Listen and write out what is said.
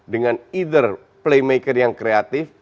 dengan either playmaker yang kreatif